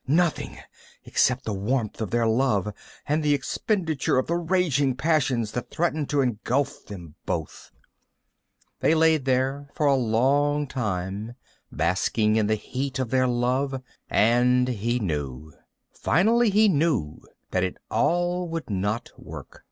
Nothing except the warmth of their love and the expenditure of the raging passions that threatened to engulf them both. They laid there for a long time, basking in the heat of their love, and he knew. Finally he knew that it all would not work.